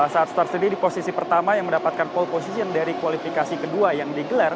saat start sendiri di posisi pertama yang mendapatkan pole position dari kualifikasi kedua yang digelar